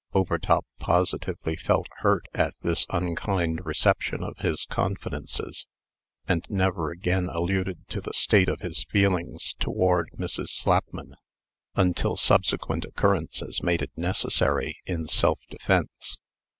Overtop positively felt hurt at this unkind reception of his confidences, and never again alluded to the state of his feelings toward Mrs. Slapman, until subsequent occurrences made it necessary in self defence.